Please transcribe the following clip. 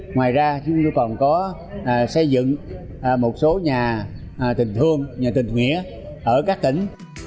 ngoài ra chúng tôi còn có xây dựng một số nhà tình thương nhà tình nghĩa ở các tỉnh